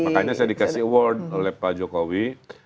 makanya saya dikasih award oleh pak jokowi